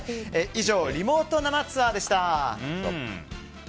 以上、リモート生ツアーでした。